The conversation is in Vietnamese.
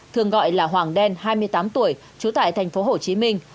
thường gọi là hoàng đen hai mươi tám tuổi trú tại thành phố hồ chí minh